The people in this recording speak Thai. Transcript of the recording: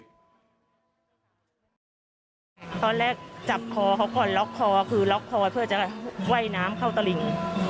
ตอนแรกจับคอเขาก่อนล็อกคอคือล็อกคอเพื่อจะว่ายน้ำเข้าตลิ่ง